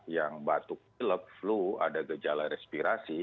yang batuk pilek flu ada gejala respirasi